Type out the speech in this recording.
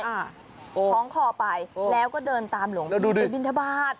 ท้องคอไปแล้วก็เดินตามหลวงปู่ไปบินทบาท